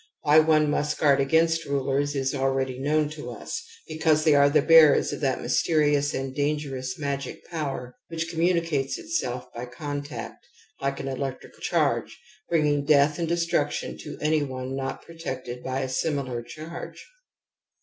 Why one must guard against rulers is already known to us ; because they are the bearers of that mysterious and dan gerous magic power which communicates itself by contact, like an electric charge, bringing death and destruction to any one not protected by a similar charge.